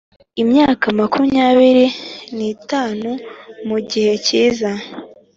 imyaka makumyabiri n itanu Mu gihe kiza